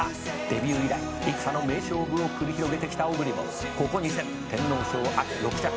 「デビュー以来幾多の名勝負を繰り広げてきたオグリもここ２戦天皇賞６着。